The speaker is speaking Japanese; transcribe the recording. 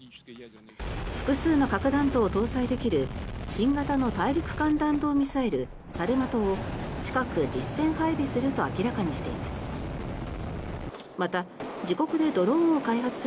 複数の核弾頭を搭載できる新型の大陸間弾道ミサイルサルマトを近く実戦配備すると明らかにしています。